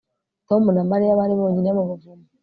Tom na Mariya bari bonyine mu buvumo